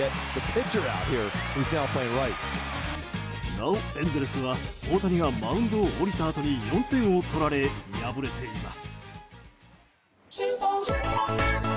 なお、エンゼルスは大谷がマウンドを降りたあとに４点を取られ、敗れています。